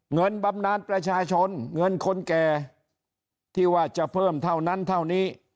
บำนานประชาชนเงินคนแก่ที่ว่าจะเพิ่มเท่านั้นเท่านี้